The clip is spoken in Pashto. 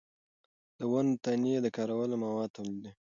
د ونو تنې د کارولو مواد تولیدوي.